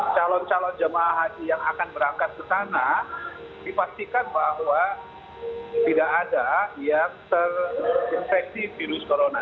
calon calon jemaah haji yang akan berangkat ke sana dipastikan bahwa tidak ada yang terinfeksi virus corona